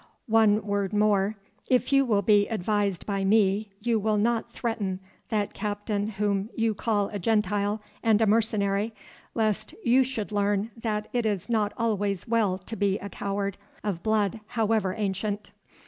One word more, if you will be advised by me you will not threaten that Captain whom you call a Gentile and a mercenary, lest you should learn that it is not always well to be a coward, of blood however ancient."